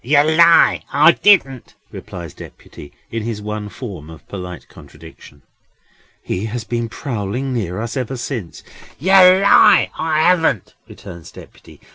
"Yer lie, I didn't!" replies Deputy, in his one form of polite contradiction. "He has been prowling near us ever since!" "Yer lie, I haven't," returns Deputy.